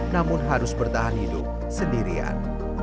namun harus bertahan hidup sendirian